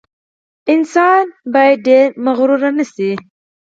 انسان باید ډېر متکبر نه شي.